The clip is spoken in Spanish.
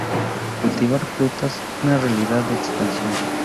Cultivar Trufas, una realidad en expansión.